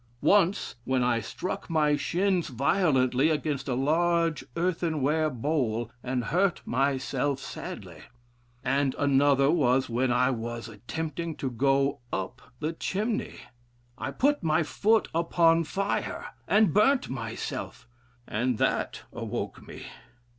Once when I struck my shins violently against a large earthenware bowl and hurt myself sadly; and another was when I was attempting to go up the chimney: I put my foot upon fire and burnt myself, and that awoke me.